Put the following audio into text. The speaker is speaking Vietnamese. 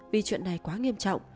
vì chuyện này quá nghiêm trọng